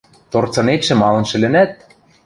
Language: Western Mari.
– Торцынетшӹ малын шӹлӹнӓт?